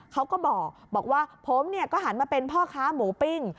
เขาก็บอกว่าผมก็หันมาเป็นพ่อค้าหมูปิ้ง